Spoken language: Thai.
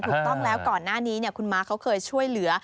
ถูกต้องแล้วก่อนหน้านี้คุณม้าเขาเคยช่วยเหลือ